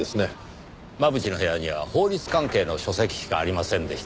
真渕の部屋には法律関係の書籍しかありませんでした。